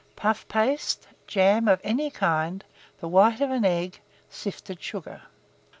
Puff paste, jam of any kind, the white of an egg, sifted sugar.